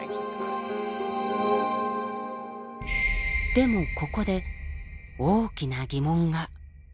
でもここで大きな疑問が。